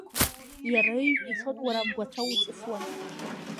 Иара ыҩны ицон уара амгәацәа уҵысуан.